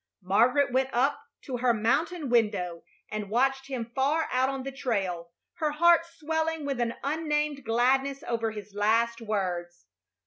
Margaret went up to her "mountain window" and watched him far out on the trail, her heart swelling with an unnamed gladness over his last words.